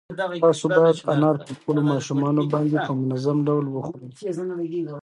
تاسو باید انار په خپلو ماشومانو باندې په منظم ډول وخورئ.